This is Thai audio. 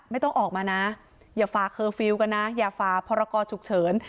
ไม่ต้องออกมานะอย่าฝากเคอร์ฟิลล์กันนะอย่าฝ่าพรกรฉุกเฉิน